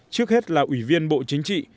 trước hết là ủy viên bộ chính trị